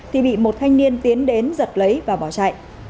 thì bị một thanh niên tiến đến giật lấy và bỏ chạy